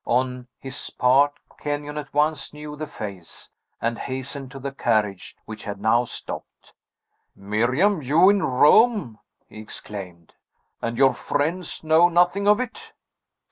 On his part, Kenyon at once knew the face, and hastened to the carriage, which had now stopped. "Miriam! you in Rome?" he exclaimed "And your friends know nothing of it?"